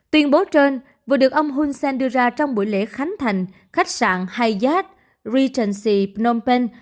tuyên bố trên vừa được ông hun sen đưa ra trong buổi lễ khánh thành khách sạn hayat regency phnom penh